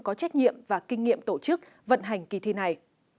có trách nhiệm và kinh nghiệm tổ chức vận hành kỳ thi này